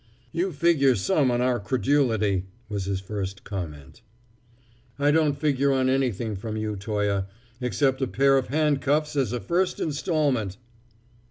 "You figure some on our credulity!" was his first comment. "I don't figure on anything from you, Toye, except a pair of handcuffs as a first instalment!"